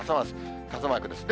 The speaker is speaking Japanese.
傘マークですね。